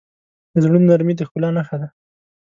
د زړونو نرمي د ښکلا نښه ده.